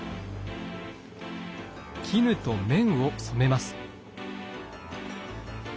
絹と綿を染めます。